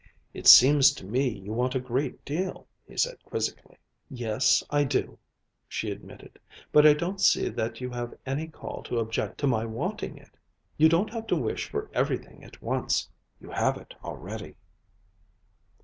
"It seems to me you want a great deal," he said quizzically. "Yes, I do," she admitted. "But I don't see that you have any call to object to my wanting it. You don't have to wish for everything at once. You have it already."